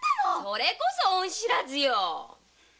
それこそ恩知らずよ！